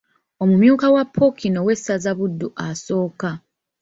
Omumyuka wa Ppookino w’essaza Buddu asooka.